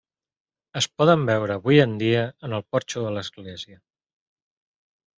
Es poden veure avui dia en el porxo de l'església.